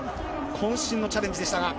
こん身のチャレンジでしたが。